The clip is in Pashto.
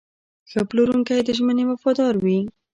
ښه پلورونکی د ژمنې وفادار وي.